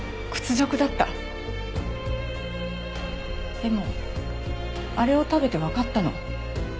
でもあれを食べてわかったの。